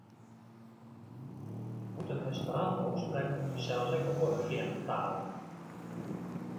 Bûten Esperanto sprekt er fansels ek oare frjemde talen.